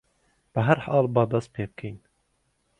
بەهەرحاڵ با دەست پێ بکەین.